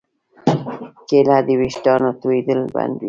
کېله د ویښتانو تویېدل بندوي.